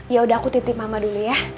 yaudah aku titip mama dulu ya